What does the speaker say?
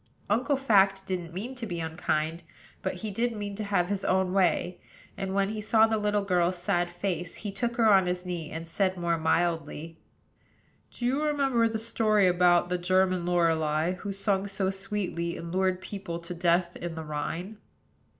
Uncle Fact didn't mean to be unkind, but he did mean to have his own way; and, when he saw the little girl's sad face, he took her on his knee, and said, more mildly: "Do you remember the story about the German Lorelei, who sung so sweetly, and lured people to death in the Rhine?"